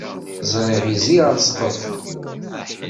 Ẓriɣ izi ɣer ssqef